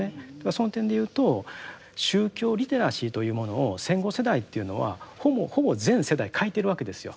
その点で言うと宗教リテラシーというものを戦後世代というのはほぼほぼ全世代欠いてるわけですよ。